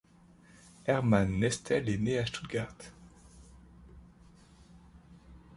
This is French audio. Hermann Nestel est né à Stuttgart.